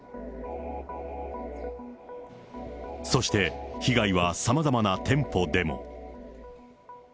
そして被害はさまざまな店舗でも。